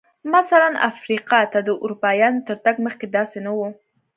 مثلاً افریقا ته د اروپایانو تر تګ مخکې داسې نه و.